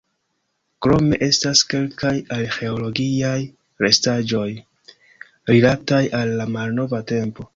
Krome estas kelkaj arĥeologiaj restaĵoj, rilataj al la malnova tempo.